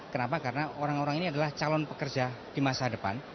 kenapa karena orang orang ini adalah calon pekerja di masa depan